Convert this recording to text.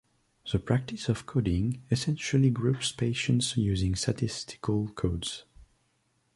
The practice of coding, essentially groups patients using statistical codes.